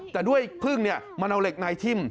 แต่ด้วยพึ่งมันเอาเหล็กในทิ่ม